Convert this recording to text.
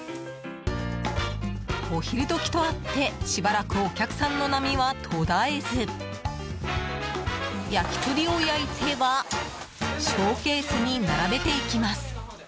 お昼時とあってしばらくお客さんの波は途絶えず焼き鳥を焼いてはショーケースに並べていきます。